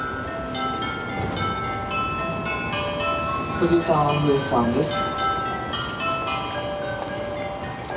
富士山富士山です。